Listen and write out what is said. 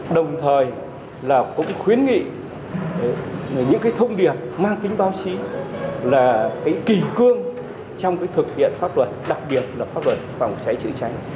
đồng thời là cũng khuyến nghị những cái thông điệp mang tính báo chí là cái kỳ cương trong thực hiện pháp luật đặc biệt là pháp luật phòng cháy chữa cháy